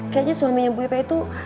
kayaknya suaminya bu ipa itu